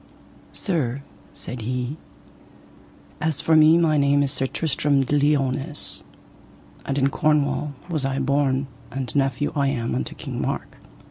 Sir, said he, as for me my name is Sir Tristram de Liones, and in Cornwall was I born, and nephew I am unto King Mark.